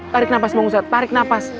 tarik nafas bang ustaz tarik nafas